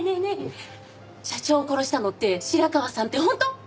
社長を殺したのって白川さんって本当？